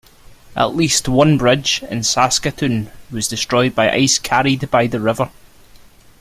At least one bridge in Saskatoon was destroyed by ice carried by the river.